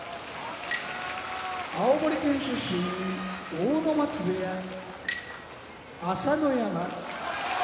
青森県出身阿武松部屋朝乃山